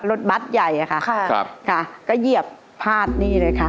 ก็รถบัตรใหญ่นะคะค่ะเหยียบภาษนี่เลยค่ะ